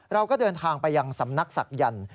เราก็เดินทางไปยังสำนักศักยันต์